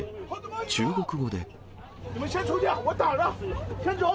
中国語で。